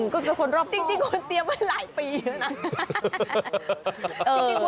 ก็แค่คนรอบจริงคนเตรียมไว้หลายปีแล้วนะ